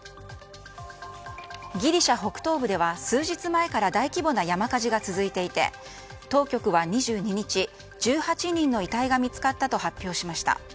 ギリシャ北東部では数日前から大規模な山火事が続いていて当局は２２日、１８人の遺体が見つかったと発表しました。